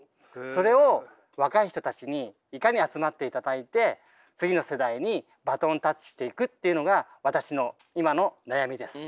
それを若い人たちにいかに集まっていただいて次の世代にバトンタッチしていくっていうのが私の今の悩みです。